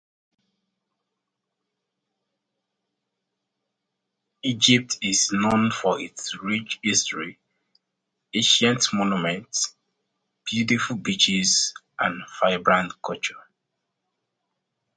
Egypt is known for its rich history, ancient monuments, beautiful beaches, and vibrant culture.